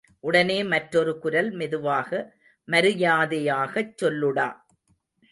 உடனே மற்றொரு குரல் மெதுவாக, மரியாதையாகச் சொல்லுடா.